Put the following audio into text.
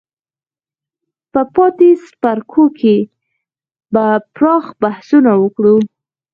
په پاتې څپرکو کې به پراخ بحثونه وکړو.